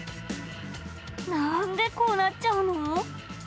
なんでこうなっちゃうの？